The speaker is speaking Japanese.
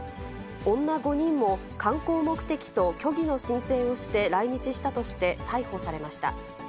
女５人も観光目的と虚偽の申請をして来日したとして、逮捕されました。